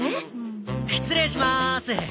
失礼します。